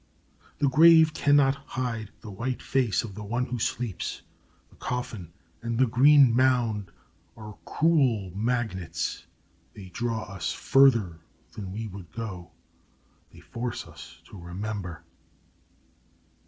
The grave can not hide the white face of the one who sleeps. The coffin and the green mound are cruel magnets. They draw us further than we would go. They force us to remember.